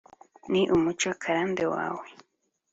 Ni umuco karande wawe